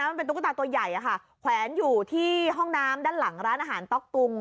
มันเป็นตุ๊กตาตัวใหญ่อะค่ะแขวนอยู่ที่ห้องน้ำด้านหลังร้านอาหารต๊อกตุง